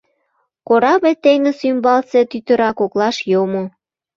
Корабль теҥыз ӱмбалсе тӱтыра коклаш йомо.